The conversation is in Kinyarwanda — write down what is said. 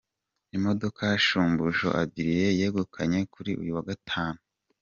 Imodoka Shumbusho Adrien yegukanye kuri uyu wa Gatanu .